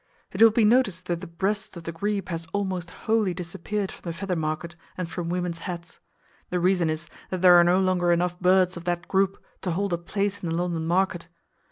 It will be noticed that the breast of the grebe has almost wholly disappeared from the feather market and from women's hats. The reason is that there are no longer enough birds of that group to hold a place in the London market!